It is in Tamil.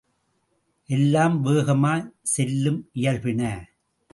எல்லாம் வேகமாகச் செல்லும் இயல்பின.